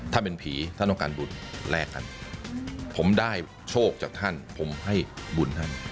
ถ้าเป็นผีท่านต้องการบุญแลกกันผมได้โชคจากท่านผมให้บุญท่าน